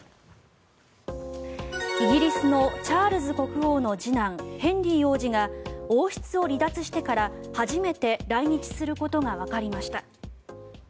イギリスのチャールズ国王の次男、ヘンリー王子が王室を離脱してから初めて来日することがわかりました。